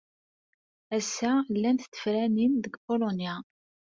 Ass-a, llant tefranin deg Pulunya.